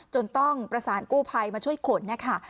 จนต้องประสานกู้ภัยมาช่วยขนนะคะ